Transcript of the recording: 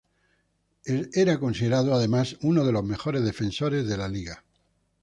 Era considerado, además, uno de los mejores defensores de la Liga.